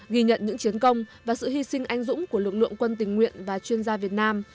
ghi nhận những chiến công và sự hy sinh anh dũng của lực lượng quân tình nguyện và chuyên gia việt nam